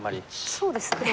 そうですね